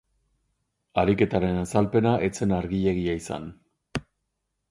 Ariketaren azalpena ez zen argiegia izan.